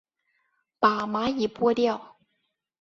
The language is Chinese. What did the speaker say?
把蚂蚁拨掉